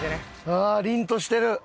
ああ凜としてる。